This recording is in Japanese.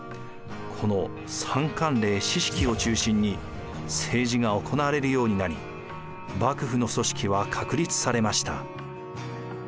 この三管領・四職を中心に政治が行われるようになり幕府の組織は確立されました。